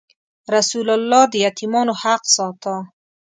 رسول الله د یتیمانو حق ساته.